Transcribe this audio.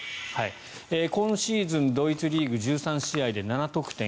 今シーズン、ドイツリーグ１３試合で７得点。